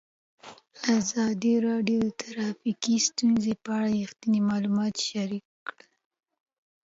ازادي راډیو د ټرافیکي ستونزې په اړه رښتیني معلومات شریک کړي.